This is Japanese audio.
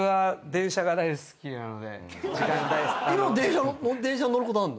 今も電車に乗ることあるの？